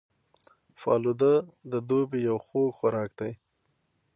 فالوده د دوبي یو خوږ خوراک دی